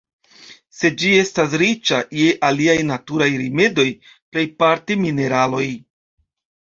Sed ĝi estas riĉa je aliaj naturaj rimedoj, plejparte mineraloj.